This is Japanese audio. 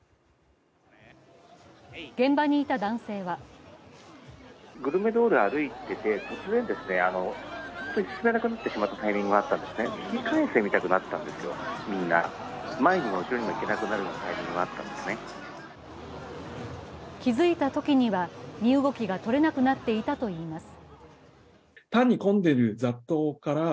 現場にいた男性は気づいたときには身動きがとれなくなっていたといいます。